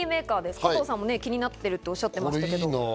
加藤さんも気になってるとおっしゃってました。